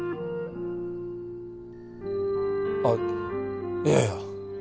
あっいやいや。